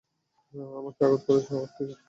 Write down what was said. আমাকে আঘাত করেছো আর দেখো কি হলো।